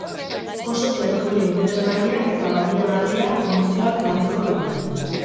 Oso tertulia interesgarria eta baliagarria emozioak lantzeko bidean.